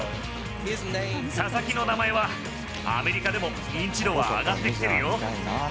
佐々木の名前は、アメリカでも認知度は上がってきてるよ。